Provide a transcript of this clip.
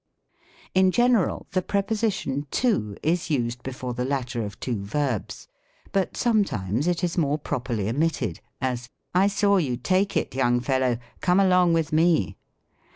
In general the preposition to is used before the latter of two verbs; but sometimes it is more properly omit ted : as, " I saw you take it, young feWow ; come along with me."